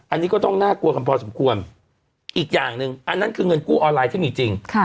อันนี้ก็ต้องน่ากลัวกันพอสมควรอีกอย่างหนึ่งอันนั้นคือเงินกู้ออนไลน์ที่มีจริง